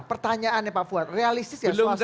pertanyaannya pak fuad realistis ya swasta